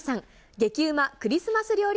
激うまクリスマス料理